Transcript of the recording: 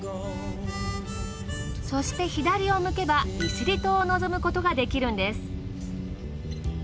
そして左を向けば利尻島を望むことができるんです。